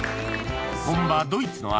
本場ドイツの味